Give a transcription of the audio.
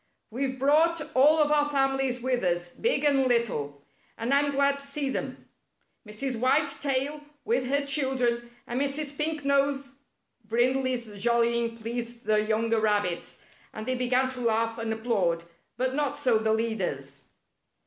We've brought all of our families with us, big and little, and I'm glad to see them — Mrs. White Tail with her children, and Mrs. Pink Nose —" Brindley's jollying pleased the younger rab bits, and they began to laugh and applaud; but not so the leaders.